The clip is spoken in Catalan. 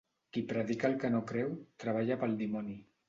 Qui predica el que no creu, treballa pel dimoni.